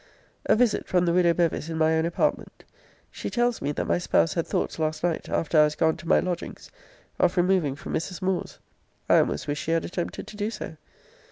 A visit from the widow Bevis, in my own apartment. She tells me, that my spouse had thoughts last night, after I was gone to my lodgings, of removing from Mrs. Moore's. I almost wish she had attempted to do so.